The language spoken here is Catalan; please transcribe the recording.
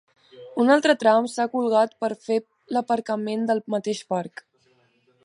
Un altre tram s'ha colgat per a fer l'aparcament del mateix parc.